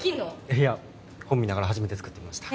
いや本見ながら初めて作ってみました。